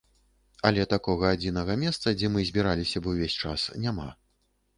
Але такога адзінага месца, дзе мы збіраліся б увесь час, няма.